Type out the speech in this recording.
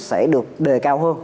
sẽ được đề cao hơn